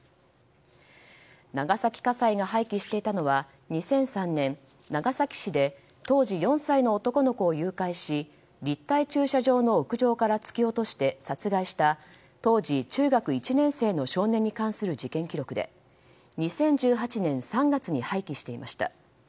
長崎家裁が廃棄していたのは２００３年長崎市で当時４歳の男の子を誘拐し立体駐車場の屋上から突き落として殺害した当時中学１年生の少年に関する事件記録で２０１８年３月に廃棄していました。